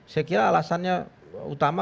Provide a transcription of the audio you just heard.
saya kira alasannya utama